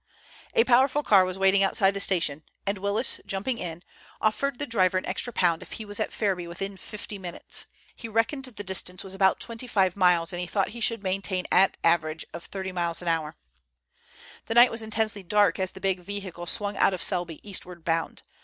A powerful car was waiting outside the station, and Willis, jumping in, offered the driver an extra pound if he was at Ferriby within fifty minutes. He reckoned the distance was about twenty five miles, and he thought he should maintain at average of thirty miles an hour. The night was intensely dark as the big vehicle swung out of Selby, eastward bound.